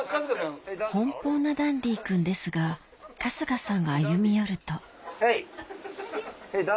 奔放なダンディ君ですが春日さんが歩み寄るとヘイ！